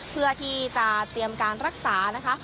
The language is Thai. เพื่อที่จะเตรียมการรักษานะคะ